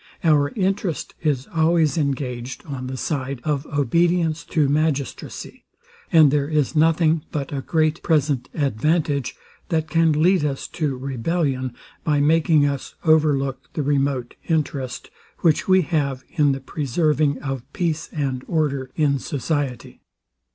Our interest is always engaged on the side of obedience to magistracy; and there is nothing but a great present advantage, that can lead us to rebellion, by making us over look the remote interest, which we have in the preserving of peace and order in society.